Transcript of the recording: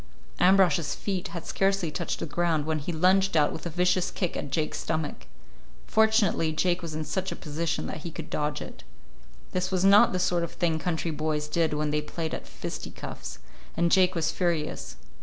Ambrosch's feet had scarcely touched the ground when he lunged out with a vicious kick at Jake's stomach. Fortunately Jake was in such a position that he could dodge it. This was not the sort of thing country boys did when they played at fisticuffs, and Jake was furious.